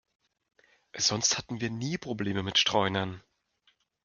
Sonst hatten wir nie Probleme mit Streunern.